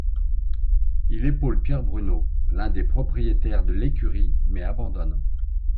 Il épaule Pierre Bruneau, l'un des propriétaire de l'écurie, mais abandonne.